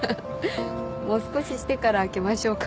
もう少ししてから開けましょうか。